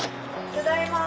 ただいま。